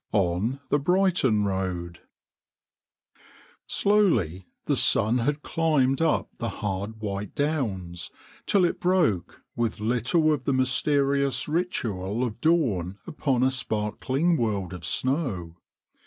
ON THE BRIGHTON ROAD SLOWLY the sun had climbed up the hard white downs, till it broke with little of the mysterious ritual of dawn upon a sparkling world of snow.